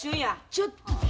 ちょっと。